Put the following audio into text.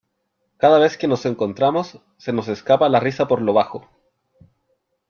Cada vez que nos encontramos, se nos escapa la risa por lo bajo.